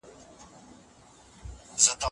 د اقلیم بدلون په ټولو هیوادونو اغیزه کوي.